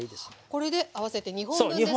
これで合わせて２本分ですね。